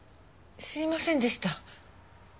知りませんでした。